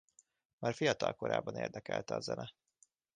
Már fiatal korában érdekelte a zene.